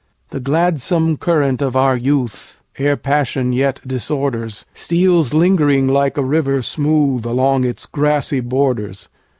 The gladsome current of our youth, Ere passion yet disorders, Steals lingering like a river smoothAlong its grassy borders.